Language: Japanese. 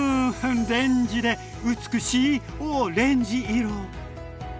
レンジで美しいオレンジ色！